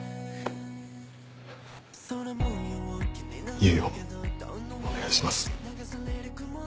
唯をお願いします。